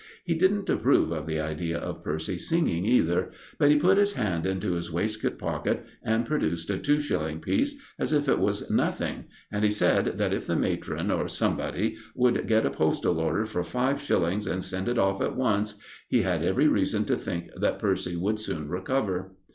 He didn't approve of the idea of Percy singing either; but he put his hand into his waistcoat pocket and produced a two shilling piece, as if it was nothing, and he said that if the matron or somebody, would get a postal order for five shillings and send it off at once, he had every reason to think that Percy would soon recover.